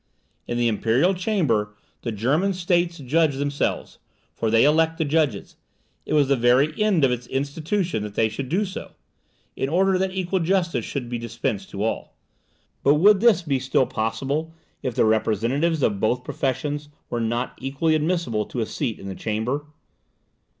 In the Imperial Chamber the German States judge themselves, for they elect the judges; it was the very end of its institution that they should do so, in order that equal justice should be dispensed to all; but would this be still possible, if the representatives of both professions were not equally admissible to a seat in the Chamber?